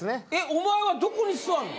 お前はどこに座るの？